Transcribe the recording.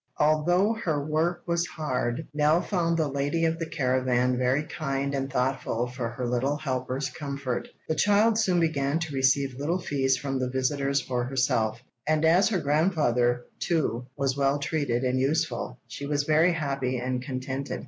Although her work was hard, Nell found the lady of the caravan very kind and thoughtful for her little helper's comfort. The child soon began to receive little fees from the visitors for herself, and as her grandfather, too, was well treated and useful, she was very happy and contented.